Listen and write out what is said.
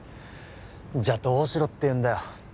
じゃあどうしろっていうんだよ